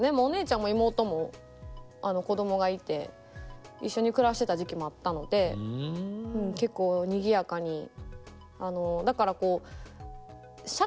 お姉ちゃんも妹も子供がいて一緒に暮らしてた時期もあったので結構にぎやかに。